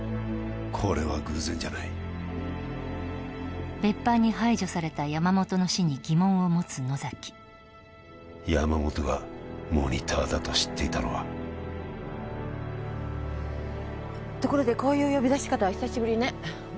これは偶然じゃない別班に排除された山本の死に疑問を持つ野崎山本がモニターだと知っていたのはところでこういう呼び出し方は久しぶりね